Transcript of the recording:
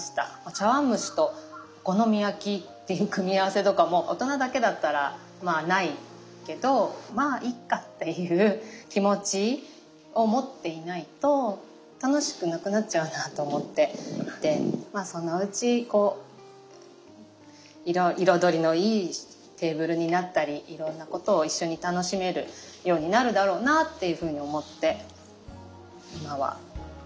茶碗蒸しとお好み焼きっていう組み合わせとかも大人だけだったらまあないけどまあいっかっていう気持ちをもっていないと楽しくなくなっちゃうなと思っていてまあそのうちこう彩りのいいテーブルになったりいろんなことを一緒に楽しめるようになるだろうなっていうふうに思って今は。